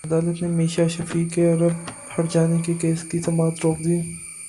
عدالت نے میشا شفیع کے ارب ہرجانے کے کیس کی سماعت روک دی